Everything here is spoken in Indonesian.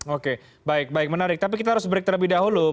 oke baik baik menarik tapi kita harus break terlebih dahulu